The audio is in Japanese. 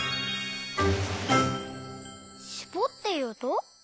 「しぼっていうと」？